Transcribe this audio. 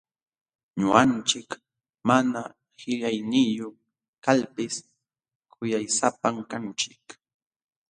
Ñuqanchik mana qillayniyuq kalpis kuyaysapam kanchik.